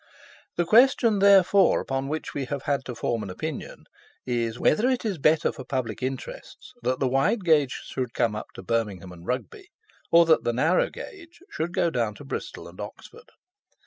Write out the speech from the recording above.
The question, therefore, upon which we have had to form an opinion is, whether it is better for public interests that the wide gauge should come up to Birmingham and Rugby, or that the narrow gauge should go down to Bristol and Oxford?